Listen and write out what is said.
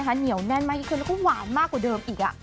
เหนียวแน่นมากกว่าคือหวานมากกว่าเดิมอีก